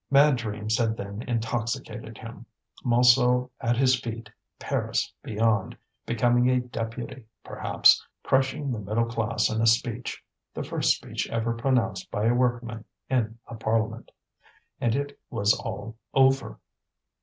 Mad dreams had then intoxicated him. Montsou at his feet, Paris beyond, becoming a deputy perhaps, crushing the middle class in a speech, the first speech ever pronounced by a workman in a parliament. And it was all over!